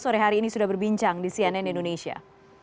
sore hari ini sudah berbincang di cnn indonesia